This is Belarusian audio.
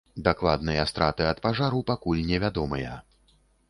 Дакладныя страты ад пажару пакуль невядомыя.